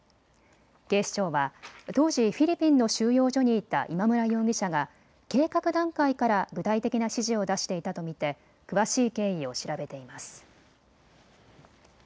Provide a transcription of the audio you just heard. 警視庁は当時、フィリピンの収容所にいた今村容疑者が計画段階から具体的な指示を出していたと見て詳しい経緯を調べています。